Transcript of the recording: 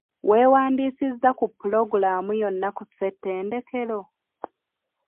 Weewandiisizza ku pulogulaamu yonna ku ssettendekero?